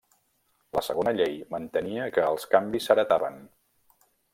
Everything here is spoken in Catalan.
La segona llei mantenia que els canvis s'heretaven.